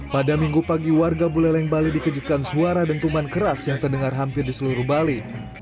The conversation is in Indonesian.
pada minggu pagi warga buleleng bali dikejutkan suara dentuman keras yang terdengar hampir di seluruh bali